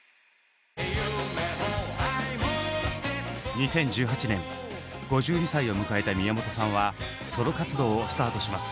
２０１８年５２歳を迎えた宮本さんはソロ活動をスタートします。